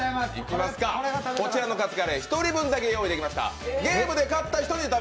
こちらのカツカレー一人分だけ用意できました。